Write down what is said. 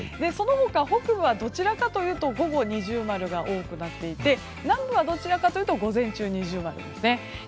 そのほか、北部はどちらかというと午後に二重丸が多くなっていて南部はどちらかというと午前中に二重丸ですね。